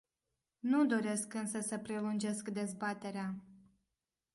Nu doresc însă să prelungesc dezbaterea.